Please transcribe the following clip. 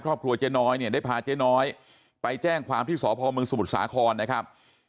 ครอบครัวเจ๊น้อยเนี่ยได้พาเจ๊น้อยไปแจ้งความที่สพมสมุทรสาครนะครับ